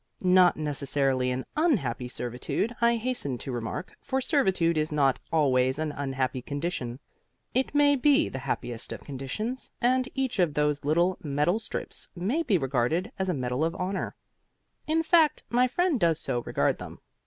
Not necessarily an unhappy servitude, I hasten to remark, for servitude is not always an unhappy condition. It may be the happiest of conditions, and each of those little metal strips may be regarded as a medal of honor. In fact, my friend does so regard them.